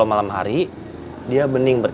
lagi lagi lagi belum tau